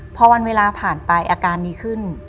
พอวันเวลาผ่านไปอาการดีขึ้น